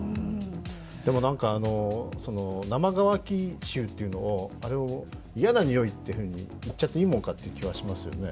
でも生乾き臭っていうのを嫌なにおいっていうふうに言っちゃっていいのかという気もしますよね。